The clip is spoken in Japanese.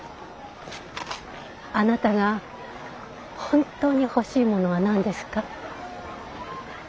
あなたが本当に欲しいものは何ですか？